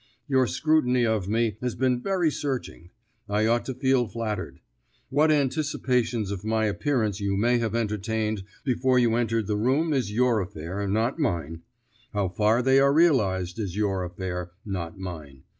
Your scrutiny of me has been very searching; I ought to feel flattered. What anticipations of my appearance you may have entertained before you entered the room is your affair, not mine. How far they are realised is your affair, not mine.